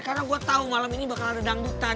karena gue tau malam ini bakal ada dangdutan